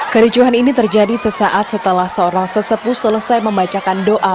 kericuhan ini terjadi sesaat setelah seorang sesepu selesai membacakan doa